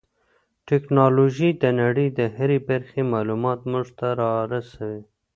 ټیکنالوژي د نړۍ د هرې برخې معلومات موږ ته را رسوي.